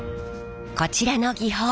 こちらの技法。